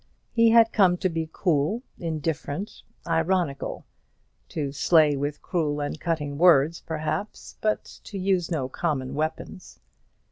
He had come to be cool, indifferent, ironical; to slay with cruel and cutting words, perhaps, but to use no common weapons.